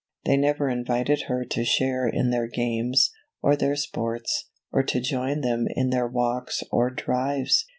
They never invited her to share in their games, or their sports, or to join them in their walks or drives.